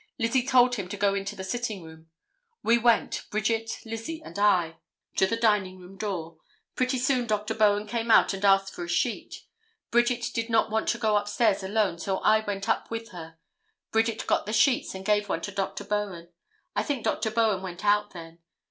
Lizzie told him to go into the sitting room. We went, Bridget, Lizzie and I, to the dining room door. Pretty soon Dr. Bowen came out and asked for a sheet. Bridget did not want to go up stairs alone, so I went up with her. Bridget got the sheets and gave one to Dr. Bowen. I think Dr. Bowen went out then.